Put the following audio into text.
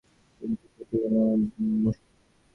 কিন্তু সেইটিই হল আমার মুশকিল।